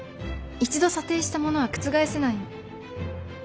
一度査定したものは覆せないの。